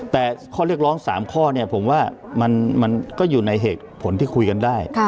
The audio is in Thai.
แต่ข้อเรียกร้อง๓ข้อเนี่ยผมว่ามันก็อยู่ในเหตุผลที่คุยกันได้